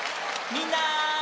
みんな！